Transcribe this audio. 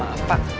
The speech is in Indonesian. pak maaf pak